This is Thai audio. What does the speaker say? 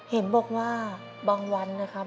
เห็นบอกว่าบางวันนะครับ